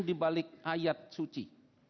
dibalik ayat suci